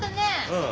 うん。